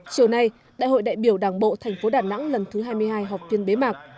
chiều nay đại hội đại biểu đảng bộ thành phố đà nẵng lần thứ hai mươi hai họp phiên bế mạc